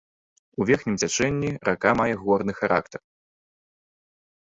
У верхнім цячэнні рака мае горны характар.